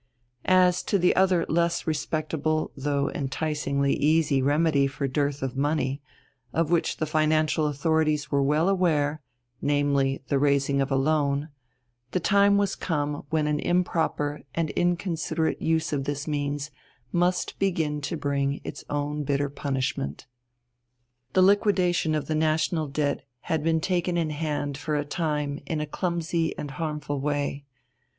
As to the other less respectable though enticingly easy remedy for dearth of money, of which the financial authorities were well aware, namely the raising of a loan, the time was come when an improper and inconsiderate use of this means must begin to bring its own bitter punishment. The liquidation of the national debt had been taken in hand for a time in a clumsy and harmful way.